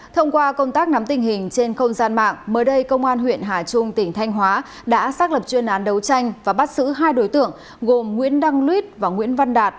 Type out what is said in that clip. thông qua công tác nắm tình hình trên không gian mạng mới đây công an huyện hà trung tỉnh thanh hóa đã xác lập chuyên án đấu tranh và bắt xử hai đối tượng gồm nguyễn đăng luyết và nguyễn văn đạt